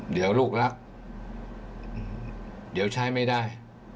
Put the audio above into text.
เดี๋ยวลูกรักเดี๋ยวใช้ไม่ได้